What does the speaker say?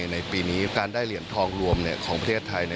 ในปีนี้การได้เหรียญทองรวมของประเทศไทย